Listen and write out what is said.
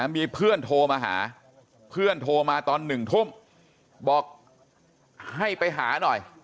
มีเพื่อนโทรมาหาเพื่อนโทรมาตอน๑ทุ่มบอกให้ไปหาหน่อย